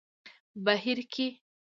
بهير کې